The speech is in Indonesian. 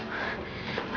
masalah sampai sadar ya